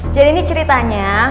jadi ini ceritanya